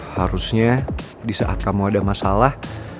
harusnya di saat kamu ada masalah